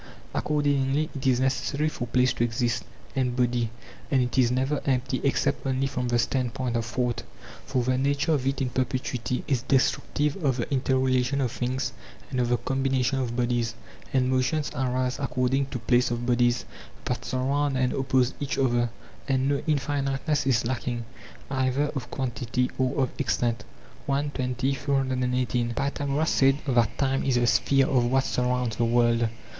Accordingly it is necessary for place to exist, and body ; andit is never empty except only from the standpoint of thought, for the nature of it in perpetuity is destructive of the interrelation of things and of the combination of bodies; and motions arise according to place of bodies that surround and oppose each other; and no infiniteness is lacking, either of quantity or of extent. i. 20; 318. Pythagoras said that time is the sphere of what surrounds the world.